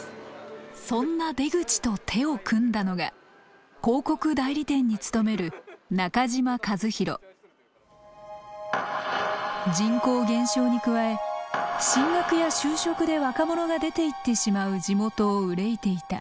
そんな出口と手を組んだのが人口減少に加え進学や就職で若者が出ていってしまう地元を憂いていた。